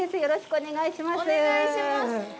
お願いします。